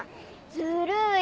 ずるい！